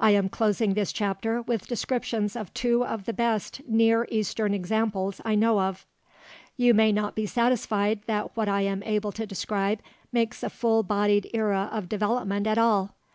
I am closing this chapter with descriptions of two of the best Near Eastern examples I know of. You may not be satisfied that what I am able to describe makes a full bodied era of development at all.